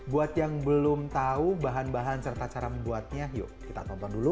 buat yang belum tahu bahan bahan serta cara membuatnya yuk kita tonton dulu